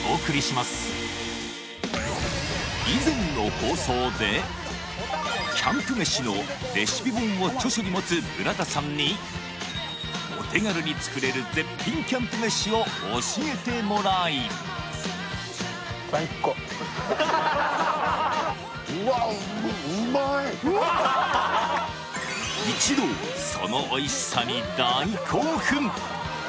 ニトリキャンプ飯のレシピ本を著書に持つ村田さんにお手軽に作れる絶品キャンプ飯を教えてもらい一同そのおいしさに大興奮！